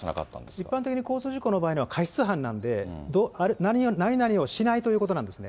一般的に交通事故の場合には過失犯なんで、何々をしないということなんですね。